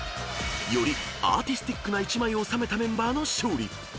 ［よりアーティスティックな１枚を収めたメンバーの勝利］